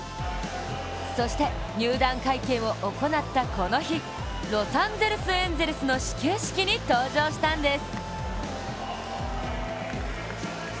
そして入団会見を行ったこの日、ロサンゼルス・エンゼルスの始球式に登場したんです。